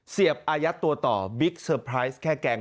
เสียบอายัดตัวต่อบิ๊กเซอร์ไพรส์แค่แกง